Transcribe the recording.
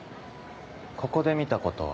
ここで見たことは。